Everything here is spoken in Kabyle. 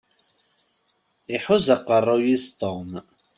Ihuzz aqeṛṛuy-is Tom.